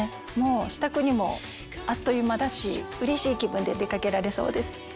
支度にもあっという間だしうれしい気分で出かけられそうです。